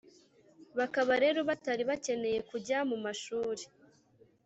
bakaba rero batari bakeneye kujya mu mashuri.